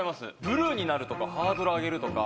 「ブルーになる」とか「ハードル上げる」とか。